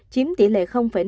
chiếm tỷ lệ năm